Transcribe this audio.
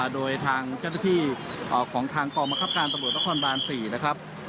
โดยเจ้าที่ของทางกลมคับการตำรวจละครบาล๔นะครับ